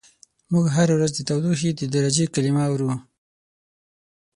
موږ هره ورځ د تودوخې د درجې کلمه اورو.